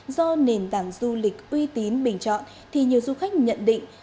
do nền tảng du lịch uy tín bình chọn thì nhiều du khách nhận định